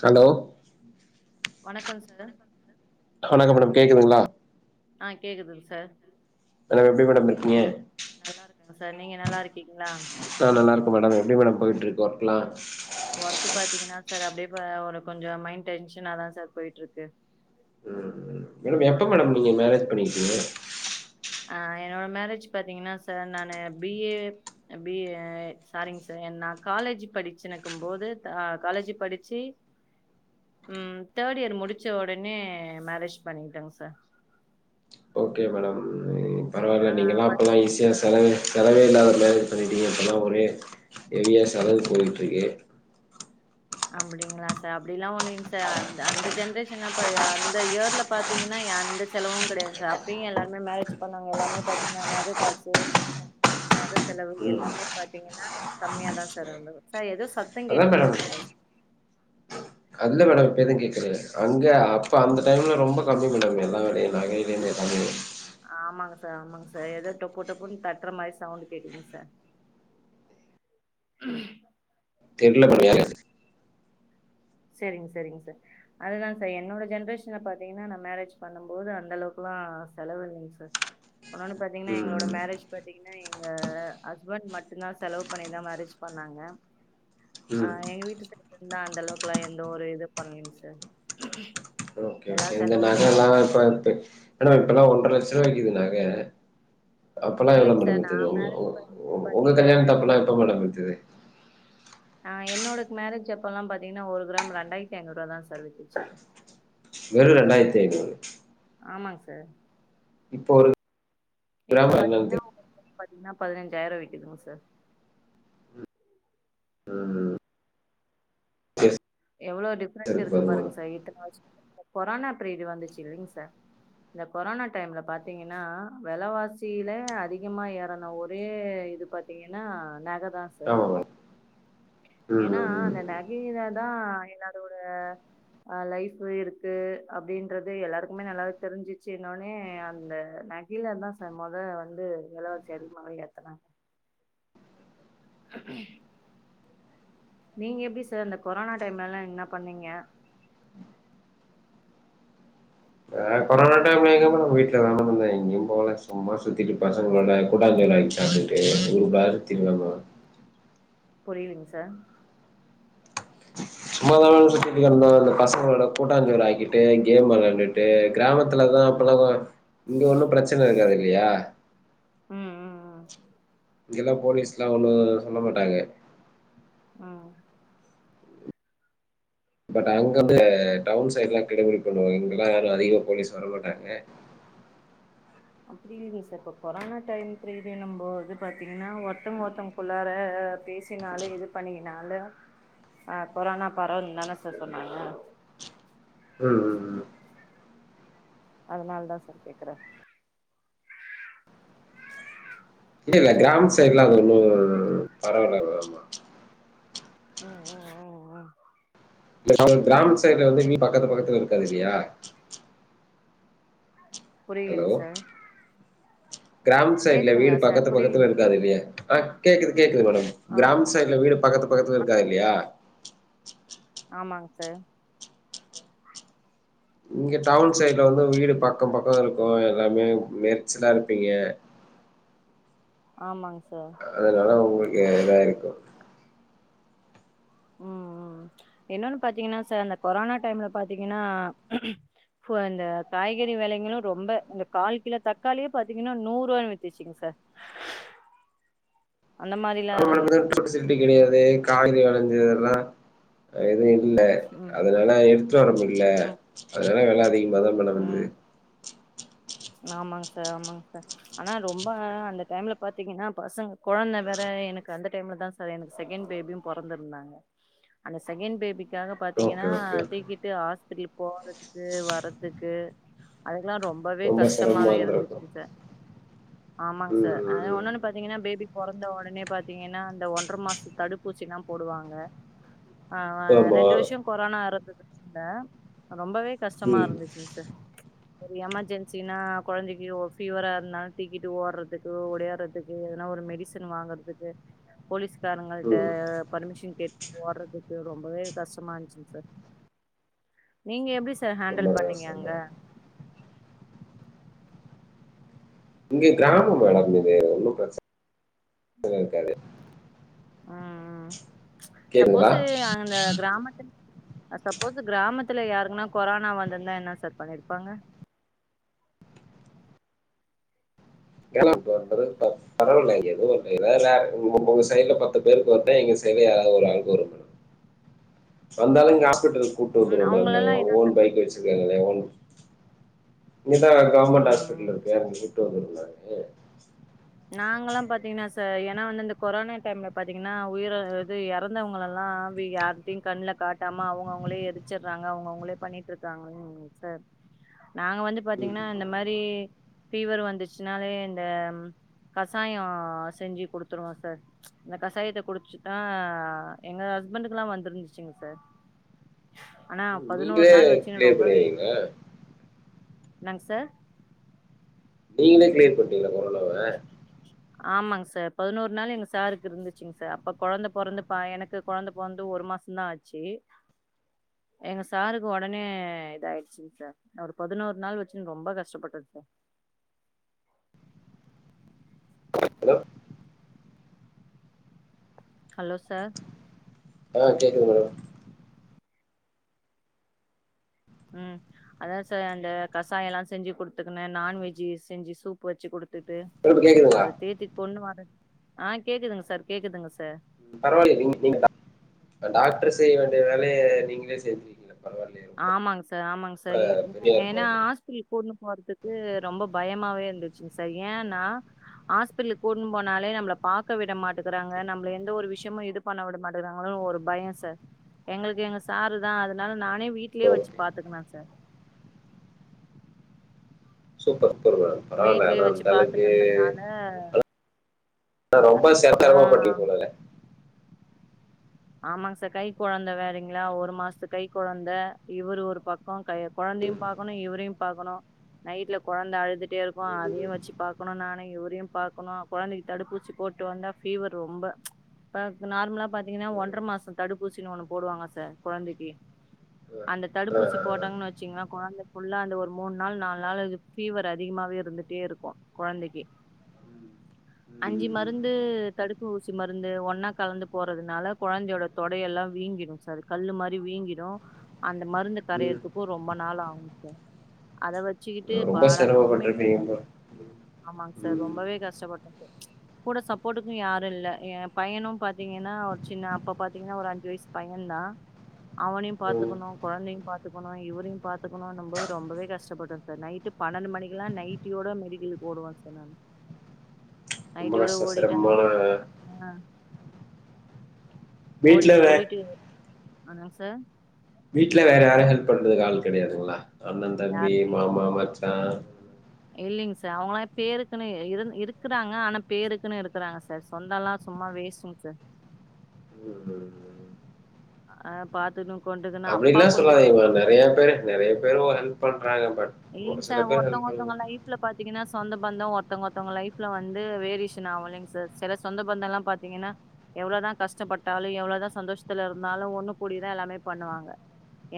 Hello வணக்கம் sir வணக்கம் madam கேக்குதுங்களா ஆ கேக்குதுங்க சார் ஹலோ எப்டி மேடம் இருக்கீங்க நல்லா இருக்கங்க சார் நீங்க நல்லா இருக்கீங்களா ஆ நல்லாருக்கே மேடம் எப்டி மேடம் போயிட்டு இருக்கு ஒர்க்கெல்லா ஒர்க்கு பாத்தீங்கன்னா சார் அப்படியே ஒரு கொஞ்ச மைண்ட் டென்ஷனாதான் சார் போயிட்டு இருக்கு ம் மேடம் எப்ப ஒன்னு மேடம் நீங்க மேரேஜ் பண்ணிங்க [unintelligible] ஆ என்னோட மேரேஜ் பாத்தீங்கன்னா சார் நானு பிஏ பி சாரிங்க சார் நானு காலேஜ் படிச்சுனுக்கும்பது காலேஜ் படிச்சு ம் தேர்ட் இயர் முடிச்ச உடனே மேரேஜ் பண்ட்டேங்க சார் ஓகே மேடம் [unintelligible] பரவாயில்ல ஆ நீங்கள் எல்லா படி அப்போல்லா ஈஸியா ஆ செலவு செலவே இல்லாத மேரேஜ் பண்ணிட்டீங்க அப்டின்னா ஒரே ஹெவியா செலவு போயிட்டு இருக்கு அப்படிங்களா சார் அப்டிலா ஒண்ணுங்க சார் ஆ அந்த ஜென்ரேஷன் அந்த இயர்ல பாத்தீங்கன்னா அந்த செலவும் கிடையாது சார் அப்படியும் எல்லாருமே மேரேஜ் பண்ணாங்க எல்லாமே பாத்தீங்கன்னா நகை காசு நகை செலவு ம் எல்லாமே பாத்தீங்கன்னா கம்மியாதான் சார் வந்த சார் எதோ சவு சத்த கேட்டுட்டே இருக்குங் மிஸ் அதுதா மேடம் இப்ப எதும் கேட்கறது இல்லை அங்க அப்ப அந்த டைம்ல ரொம்ப கம்மி மேடம் எல்லா வேலையும் நகைய [unintelligible] ஆமாங்க சார் ஆமாங்க சார் ஏதோ டொப்பு டொப்புன்னு தட்ற மாரி சவுண்ட் கேக்குதுங் சார் தெரில [unintelligible] சேரிங்க சேரிங்க சார் அதுதான் சார் என்னோட ஜென்ரேஷன்ல பாத்தீங்கன்னா நான் மேரேஜ் பண்ணும் போது அந்த அளவுக்குலா செலவு இல்லங்க சார் உன்னொணு பாத்தீங்கன்னா எங்களோட ம் மேரேஜ் ப [unintelligible] எங்க ஹஸ்பண்ட் மட்டுதா செலவு பண்ணிதா மேரேஜ் பண்ணாங்க ஆ ம் எங்க வீட்டு [unintelligible] அந்தவு லா எந்த ஒரு இது பண்லைங் சார் எல்லா எந்த செலவுமே நகைல்லா அவுங்கதா இப்ப [unintelligible] இப்பல்லா ஒன்ற லட்ச ரூபா விக்குது நக அப்பெல்லா எவ்வளவு இல்லைங்க மேடம் சார் நா வித்துது மேரேஜ் பண்ணும்போது உங்க பாத்தீங்கன்னா கல்யாணத்து அப்ப எல்லா எப்ப மேடம் வித்துது ஆ என்னோடதூ மேரேஜ் அப்பல்லாம் பாத்தீங்கன்னா ஒரு கிராம் ரெண்டாயிரத்தி ஐநூறு ரூபா தான் சார் வித்துச்சு வெறு ரெண்டாயிரத்தி ஐநூறு ஆமாங் சார் இப்போ ஒரு இப்ப கிராம் என்னன்னு பாத்தீங்கன்னா தெரி உங்களுக்கு [unintelligible] ன்னா பதினஞ்சாயிரம் விக்கிதுங் சார் உம் உம் எவ்ளோ டிஃப்ரெண்ட் இருக்கு பாருங்க சார் இத்தன வருசமா கொரோனா பிரீடு வந்துச்சு இல்லிங் சார் இந்த கொரோனா டைம்ல பாத்தீங்கன்னா வெலவாசில அதிகமா ஏறன ஒரே இது பாத்தீங்கன்னா நக தான் சார் ஆமா மேடம் ம் ஏன்னா ம் ம் அந்த நகை தா தா எல்லாரோட ஆஹ் லைஃப் இருக்கு அப்டின்றது எல்லாருக்குமே நல்லாவே தெரிஞ்சிருச்சு இன்னோனு அந்த நகிலன் தான் சார் மொத வந்து நிலவச்சரிமகள் ஏத்தனங் [inaudible] நீங்க எப்டி சார் இந்த கொரோனா டைம்லல்லா என்ன பண்ணீங்க ஆஹ் கொரோனா டைம்ல எங்க மேடம் வீட்ல தான் மேம் இருந்தேன் எங்கயும் போகல சும்மா சுத்திகிட்டு பசங்களோட கூட்டாஞ்சோறு ஆக்கி சாப்டுகிட்டு [unintelligible] புரியலிங் சார் சும்மாதானங்க சுத்திட்டுந்தோ இந்த பசங்களோட கூட்டாஞ்சோரு ஆக்கிட்டு கேம் விளையாண்டுட்டு கிராமத்துலதான் அப்பல்லா இங்க ஒன்னு பிரச்சன இல்ல இல்லையா உம் உம் உம் இங்களா போலீஸ்லா ஒண்ணு சொல்ல மாட்டாக உம் பட் அங்க அந்த டவுன் சைடு்ல்லா கெடுபடி பண்ணுவாங்க இங்கெல்லா அதிக போலீஸ் வரமாட்டாங்க அப்டி இல்லிங் சார் இப்ப கொரோனா டைம் பிரீதுனு போது பாத்தீங்கன்னா ஒருத்தங்க ஒருத்தங்கக்குள்ளார பேசினால இது பண்ணினாலு அஹ் கொரோனா பரவு தான சார் சொன்னாங்க ம் ம் ம் அதனால தா சார் கேக்குறே இல்ல இல்ல கிராம சைடுலா அது ஒன்னு பரவலா இல்ல மா உம் உம் உம் உம் [unintelligible] கிராமத்து சைட்ல வந்து வீடு பக்கத்து பக்கத்துல இருக்காது இல்லையா புரியலைங்க சார் கிராமத்து சைட்டுல வீடு கேக்குதுங்களா சார் பக்கத்து பக்கத்துல புரியலீங்க சார் இருக்காது இல்லையா ஆஹ் கேக்குது கேக்குது மேடம் ஆ ஆ கிராம சைடுல வீடு பக்கத்து பக்கத்துல இருக்காது இல்லையா ஆமாங்க சார் இங்க டவுன் சைட்ல வந்து வீடு பக்கம் பக்க இருக்கு ஓ எல்லாமே நெறிச்சல்லா இருப்பீங்க ஆமாங் சார் அதனால உங்களுக்கு இதா இருக்கு உம் உம் இன்னொன்னு பாத்தீங்கன்னா சார் அந்த கொரோனா டைம்ல பாத்தீங்கன்னா இந்த காய்கறி விலைங்களு ரொம்ப இந்த கால் கிலோ தக்காளியே பாத்தீங்கன்னா நூறு ரூவா வித்துச்சுங் சார் அந்த மாரிலா நம்ம இருந்துச்சுங்க சார். வந்துட்டு சிட்டி கெடையாது காயி விளைஞ்சு ரும் இது இல்ல ம் அதனால எடுத்துட்டு வர முட்ல ம் அதனால வெல [unintelligible] ஆமாங் சார் ஆமாங் சார் ஆனா ரொம்ப அந்த டைம்ல பாத்தீங்கன்னா பசங்க கொழந்த வேற எனக்கு அந்த டைம்ல தான் சார் எனக்கு செகண்ட் பேபியு பொறந்திருந்தாங்க அந்த செகண்ட் பேபிக்கு க்காக ஓகே பாத்தீங்கன்னா ஓகே ஓகே தூக்கிட்டு ஹாஸ்பிடல் போறதுக்கு வர்றதுக்கு அதுக்குலா ரொம் ரொம்ப சிரமமா கஷ்டமாவே இருந்திருக்கு இருந்துச்சுங் சார் ஆமாங்க ம் சார் ம் ம் ஒன்னன்னு பாத்தீங்கன்னா பேபி பொறந்த உடனே பாத்தீங்கன்னா அந்த ஒன்ற மாசத் தடுப் ஊசி எல்லா போடுவாங்க ஆ ஆ ஆமா ரெண்டு வருஷம் கொரோனா இருந்தது டா ரொம்பவே கஷ்டமா ம் இருந்துச்சுங் சார் ச்சு ஒரு எமர்ஜென் இப்பினா குழந்தைக்கு ஃபீவரா இருந்தாலும் தீக்கிட்டு ஓடுறதுக்கு உடையாடுறதுக்கு எனா ஒரு மெடிசன் வாங்குறதுக்கு போலீஸ் காரங்கட்டா ம் பர்மிஷன் கேட்டு போடுறதுக்கு ரொம்பவே கஷ்டமா இருந்துச்சுங்க சார் நீங்க எப்படி சார் ஹாண்டி ரொம்ப டில் பண்ணீங்க அங்க கஷ்டந்தா இங்கே கிராம மேடம் இது ஒன்னும் பிரச்சன இருக்காது [unintelligible] உம் உம் ச்சு கேக்குதுங்களா சப்போஸ்சு அந்த கிராமத்து சப்போஸ் கிராமத்துல யாருக்குன்னா கொரோனா வந்திருந்தா என்ன சார் பண்ணிருப்பாங்க ஏன்னா பொறுத்தவரைக்கும் பரவில்லைங்க எதுவும்ரலை உங்க சைடுல பத்து பேருக்கு வந்தே எங்க சைடுல யாராவது ஒரு ஆள் வரு வந்தாலும் ஹா ஹாஸ்பிடல் கூட்டு ம் வந்துருவோங்குல்லைங்க அவங்களல்லா அவங்க என்ன ஓன் சார் பைக் பண்ணிச்சு வச்சிருக்க ஓன் இங்கதான் கவர்மெண்ட் ம் ஹாஸ்பிடல்ல இருக்க அங்க கூட்டிட்டு வந்திருவோம் நாங்க நாங்க எல்லா பாத்தீங்கன்னா சார் ஏன்னா வந்து இந்த கொரோனா டைம்ல பாத்தீங்கன்னா உயிர இது இறந்தவங்க எல்லா யாரிட்டையும் கண்ணுல காட்டாம அவங்க அவங்களே எரிச்சிடறாங்க அவங்க அவங்களே பண்ணிட்டு இருக்காங்களே சார் நாங்க வந்து ம் பாத்தீங்கன்னா இந்த மாரி பீவர் வந்துச்சுனாலே இந்த கசாயம் செஞ்சு குடுத்துருவோம் சார் ச்சு இந்த கசாயத்தை குடுச்சுதா எங்க ஹஸ்பண்டக்கு எல்லா வந்தருந்துச்சுங்க சார் ஆனா ம் பதினோரு நீங்களே நாள் வச்சுன்னு கிளியர் பண்ணீருவீங்க என்னங் சார் நீங்களே கிளியர் பண்ணீடீங்களா கொரோனாவ ஆமாங்க சார் பதினோரு நாள் எங்க சாருக்கு இருந்துச்சுங்க சார் அப்ப குழந்தை பொறந்து பா எனக்கு குழந்தை பொறந்து ஒரு மாசம்தான் ஆச்சு எங்க சாருக்கு உடனே இதாயிடுச்சுங்க சார் ஒரு பதினோரு நாள் வச்சுன்ன ரொம்ப கஷ்டப்பட்டே ஹலோ ஹலோ சார் ஹலோ கேக்குது மேடம் உம் அதான் சார் அந்த கசாயம் எல்லா செஞ்சி குடுத்துக்குன்னு நான்வெஜ்ஜி செஞ்சி சூப் வச்சு குடுத் திட்டு மேடம் இப்ப கேக்குதுங்களா அவர தேத்தி கொண்டு வர ஆஹ் கேக்குதுங்க சார் கேக்குதுங்க சார் உம் பரவாயில்லயே நீங்க கிங் தான் டாக்டர் செய்ய வேண்டிய வேலைய நீங்களே செஞ்சுருவிங்கள ஆமாங்க சார் ஆமாங்க சார் ஏன் பெரிய இருக்கும் ஏன்னா அது ஹாஸ்பிட்டல் கூட்னு போறதுக்கு ரொம்ப பயமாவே இருக் இருந்திச்சுங்க சார் ஏன்னா ஹாஸ்பிடல்ல கூட்னுண்டு போனாலே நம்மள பாக்க விடமாட்டுகறாங்க நம்மள எந்த ஒரு விஷயமும் இது பண்ண விட மாட்டேறாங்க ஒரு பயம் சார் எங்களுக்கு எங்க சாரு தான் அதனால நானே வீட்டுலேயே வெச்சு ஓகே பாத்துக்கலாம் சார் சூப்பர் சூப்பர் மேம் பரவால வீட்லயே ஆனா வச்சு அந்த ஆளுக்கு பாத்துக்கனதுனால ரொம்ப சத்தமா ஆ பண்ணீன போலல ஆமாங்க சார் கைகொழந்த வேறங்களா ஒரு மாசத்து கைகொழந்த இவரு ஒருபக்கம் கை கொழந்தையும் ம் பாக்கணும் இவுரையும் பாக்கணும் நைட்ல கொழந்தை அழுதுட்டே இருக்கும் ம் ம் அதையும் ம் வச்சி பாக்கணும் நானே இவுரையும் பாக்கணும் கொழந்தைக்கு தடுப்பூசி போட்டு வந்தா பீவர் ரொம்ப நார்மலா பாத்தீங்கன்னா ஒன் த்தர மாசம் தடுப்பூசினு ஒண்ணு போடுவாங்க சார் கொழந்தைக்கு ஆ அந்த ஆ தடுப்பூசி ஆ போட்டாங்கன்னு வெச்சீங்கன்னா குழந்தை புள்ளா அந்த ஒரு மூணு நாள் நாலு நாள் பீவர் அதிகமாவே இருந்துட்டே இருக்கும் கொழந்தைக்கு ம் அஞ்சி ம் மருந்து தடுப்பு ஊசி மருந்து ஒன்னா கலந்து போடுறனால குழந்தையோட தொடையெல்லாம் வீங்கிடும் சார் கல்லு மாரி வீங்கிடும் அந்த மருந்து ம் கரையதுக்கு ரொம்ப நாள் ஆகும் சார் அத வச் வச்சுக்கிட்டு ம் ரொம்ப பாடா உண்மையுமே சிரமப்பட்டிருப்பீங்க போல ஆமாங்க சார் ம் ரொம்பவே கஷ்டப்பட்டேன் சார் கூட சப்போர்ட்டுக்கும் யாரும் இல்ல என் பையனும் பாத்தீங்கன்னா சின்ன அப்ப பாத்தீங்கன்னா ஒரு அஞ்சி வயசு பையன் தான் அவனையும் ம் பாத்துக்கணும் கொழந்தையும் பாத்துக்கணும் இவரையும் பாத்துக்கணும்னும்போது ரொம்பவே கஷ்டப்பட்டோம் சார் நைட்டு பன்னெண்டு மணிக்கெல்லாம் நைட்டியோட மெடிக்கலுக்கு ஓடுவன் சார் நானு ரொம்ப நயிட்டியோட கஷ்டம் ஓடிட்டு அந்த சிரமமான ஆஹ் வீட்ல ஓடிட்டு ஓடிட்டு அதங்க சார் வீட்டுல வேற யாரும் ஹெல்ப் பண்றதுக்கு ஆள் கெடையாதுங்களா அண்ணன் தம்பி மாமா மச் ஆஹ் இல்லிங்க சார் அவங்களாம் பேருக்குன்னு இரு இருக்கறாங்க ஆனா பேருக்குன்னு இருக்கறாங்க சார் சொந்தம்ல்லாம் சும்மா வேஸ்ட்ங்க சார் ம். அஹ் பாத்துகும் அப்படில்லாம் சொல்லாதீங்கமா நெறைய பேரு நெறைய பேரும் ஒரு ஹெல்ப் பண் பன்றாங் பட் ஒரு இல்லைங்க சில சார் பேர் ஹெல்ப் ஒருத்தவங்க பண்ண ஒருத்தவங்க லைஃப்ல பாத்தீங்கன்னா சொந்த பந்தம் ஒருத்தவங்க ஒருத்தவங்க லைஃப்ல வந்து வேரிஷன் ஆக இல்லைங்க சார் சில சொந்த பந்தம் எல்லாம் பாாரத்தீங்கன்னா எவ்வளவுதான் கஷ்டப்பட்டாலும் எவ்வளவுதான் சந்தோஷத்துல இருந்தாலும் ஒண்ணு கூடிதான் எல்லாமே பண்ணுவாங்க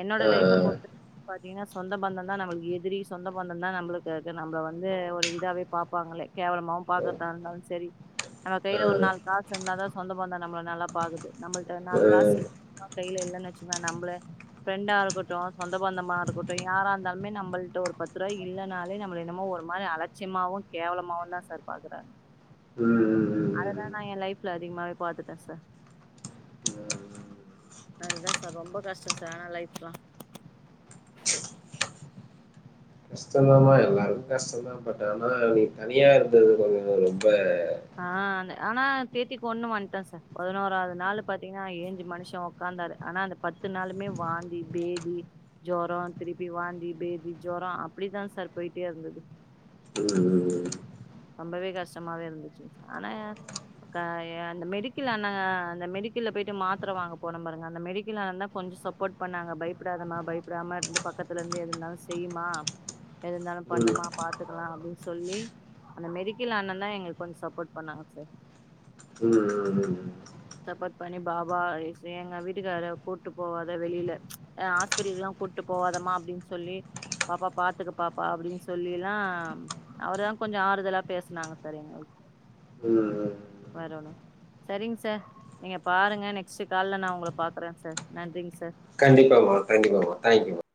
என்னோட ஆ, ஆ, லைஃப்ப போட்டு பாத்தீங்கன்னா சொந்த பந்தம் தான் நம்மளுக்கு ஏ திரி சொந்த பந்தம் தான் நம்மளுக்கு இருக்கு நம்மளை வந்து ஒரு இதாவே பார்ப்பாங்களே கேவலமாவும் பாார்கறதான் இருந்தாலும் சரி நம்ம ஆ. கையில ஒரு நாலு காசு இருந்த தான் சொந்த பந்தம் நம்மளை நல்லா பாது நம்மள நாலு காசு கையில இல்ன்னு வச்சுங்கன்னா நம்மள ஃரெண்டா இருக்கட்டும் சொந்த பந்தமா இருக்கட்டும் யாரா இருந்தாலுமே நம்மளுக்கு ஒரு பத்து ரூபாய் இல்லலைனாலே, நம்ம என்னமோ ஒரு மாதிரி அலட்சியமாவும், கேவலமாவும் தான் சார் பாக்குறாங்க. ம், ம், ம், ம். அதல்லாம் நான் என் லைப்ல அதிகமாவே பாத்துட்டேன் சார். ம். அதுதான் சார் ரொம்ப கஷ்டம் சார் ஆனா லைப் ல கஷ்டம்தான்மா எல்லாருக்கும் கஷ்டம்தான் பட் ஆனா அவ நீக்கு தனியா இருந்தது கொஞ்சம் ஒரு ஆஹ் அ ஆனா தேத்தி கொண்ணு வந்துட்டேன் சார். பதினோராது நாள் பாத்தீங்கன்னா ஏஞ்சு மனுஷன் உக்காந்தாரு. ஆனா அந்த பத்து நாளுமே வாந்தி, பேதி, ஜோரம் திருப்பி வாந்தி, பேதி, ஜோரம் அப்படிதான் சார் போயிட்டே இருந்தது. ம், ரொம்பவே கஷ்டமாவே இருந்துச்சு ஆனா அந்த மெடிக்கல்ல ஆனாங்க அந்த மெடிக்கல்ல போயிட்டு மாத்திர வாங்க போனோம் பாருங்க அந்த மெடிக்கல் அந்தனந்தா கொஞ்சம் சப்போர்ட் பண்ணாங்க பயப்படாதமா பயப்படாம இருந்து பக்கத்துல இருந்து எது இருந்தாலும் செய்யுமா எது இருந்தாலும் ம், ம். பண்ணுமா பாத்துக்கலாம் அப்படின்னு சொல்லி அந்த மெரிக்கல் அண்னன் தான் எங்களுக்கு கொஞ்சம் சப்போர்ட் பண்ணாங்க சார் உம் உம் உம் சப்போர்ட் பண்ணி பாபா எங்க வீட்டுக்கார கூட்டு போவாத வெளியில ஹ் ஹாஸ்பத்திரில்லாம் கூப்பிட்டு போவாதமா அப்படின்னு சொல்லி பாப்பா பாத்துக்க பாப்பா அப்படின்னு சொல்லி எல்லாம் அவர்தான் கொஞ்சம் ஆறுதலாக பேசனாங்க சார் எங்களுக்கு ம், ம். வெரணும் சரிங்க சார் நீங்க பாருங்க நெக்ஸ்ட் காலைல நான் உங்களை பார்கறேன் சார். நன்றிங்க சார். கண்டிப்பமா கண்டிப்பமா தேங்க்யூ மா